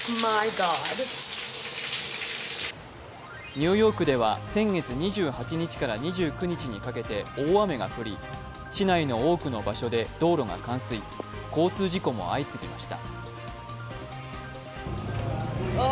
ニューヨークでは先月２８日から２９日にかけて大雨が降り、市内の多くの場所で道路が冠水、交通事故も相次ぎました。